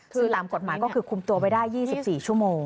คือตามกฎหมายก็คือคุมตัวไว้ได้๒๔ชั่วโมง